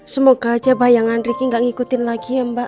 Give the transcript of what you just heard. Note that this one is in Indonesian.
semoga aja bayangan ricky gak ngikutin lagi ya mbak